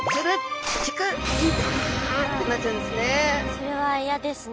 それは嫌ですね。